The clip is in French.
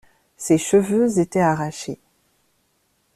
Ses cheveux étaient arrachés.